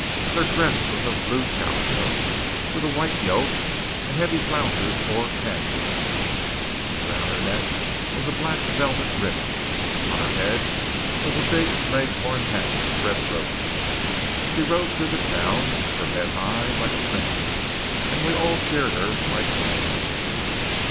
Her dress was of blue calico with a white yoke and heavy flounces or panniers; around her neck was a black velvet ribbon; on her head was a big leghorn hat with red roses. She rode through the town, her head high, like a princess; and we all cheered her like mad.